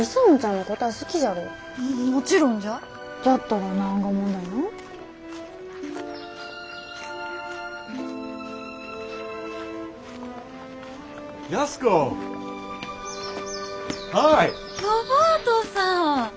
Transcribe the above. ロバートさん。